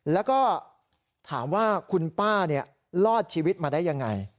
แล้วก็ถามว่าคุณป้ารอดชีวิตมาได้ยังไง